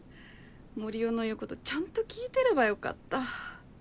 森生の言うことちゃんと聞いてればよかった